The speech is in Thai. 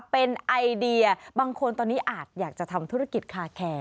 เป็นไอเดียบางคนตอนนี้อาจอยากจะทำธุรกิจคาแคร์